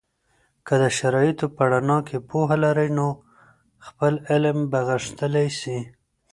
که د شرایطو په رڼا کې پوهه لرئ، نو خپل علم به غښتلی سي.